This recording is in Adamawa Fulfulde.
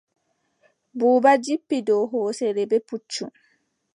Buuba jippi dow hooseere bee puccu.